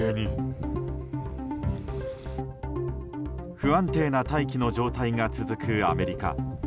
不安定な大気の状態が続くアメリカ。